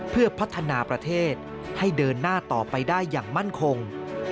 เพื่อพัฒนาประเทศให้เดินหน้าต่อไปได้อย่างมั่นคง